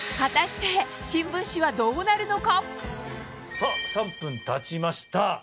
さぁ３分たちました。